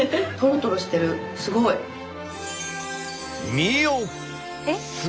見よ！